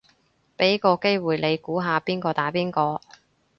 俾個機會你估下邊個打邊個